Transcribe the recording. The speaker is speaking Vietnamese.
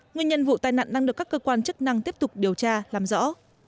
nguyên nhân vụ tai nạn đang được các cơ quan chức năng tiếp tục điều tra làm rõ